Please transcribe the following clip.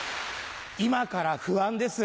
今から不安です。